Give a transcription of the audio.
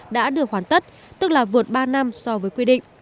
đã được hoàn tất tức là vượt ba năm so với quy định